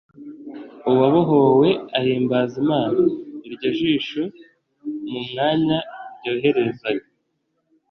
Uwabohowe ahimbaza Imana. Iryo jisho mu mwanya ryoherezaga